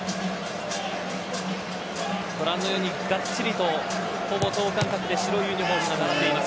ご覧のようにがっちりと、ほぼ等間隔で白いユニホームが並んでいます。